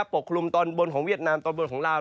ปกคลุมตอนบนของเวียดนามตอนบนของลาว